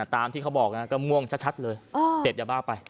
ตามที่เขาบอกก็ง่วงชัดเลยเสพยาบ้าไป